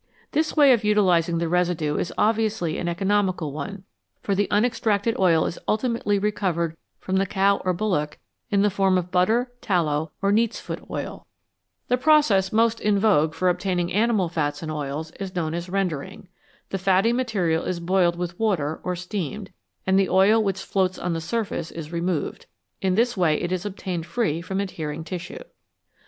This way of utilising the residue is obviously an economical one, for the unextracted oil is ultimately recovered from the cow or bullock in the form of butter, tallow, or neatVfoot oil. 238 FATS AND OILS The process most in vogue for obtaining animal fats and oils is known as " rendering "; the fatty matter is boiled with water or steamed, and the oil which floats on the surface is removed. In this way it is obtained free from adhering tissue.